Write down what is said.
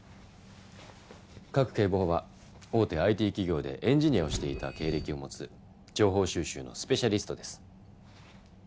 賀来警部補は大手ＩＴ企業でエンジニアをしていた経歴を持つ情報収集のスペシャリストです。